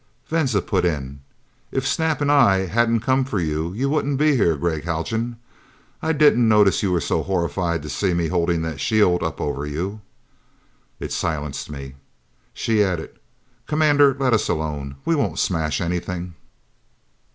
Venza put in, "If Snap and I hadn't come for you, you wouldn't be here, Gregg Haljan. I didn't notice you were so horrified to see me holding that shield up over you!" It silenced me. She added, "Commander, let us alone. We won't smash anything."